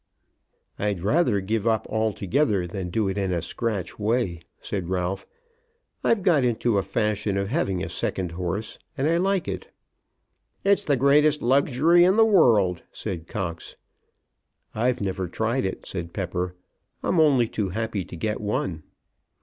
"I'd rather give up altogether than do it in a scratch way," said Ralph. "I've got into a fashion of having a second horse, and I like it." "It's the greatest luxury in the world," said Cox. "I never tried it," said Pepper; "I'm only too happy to get one."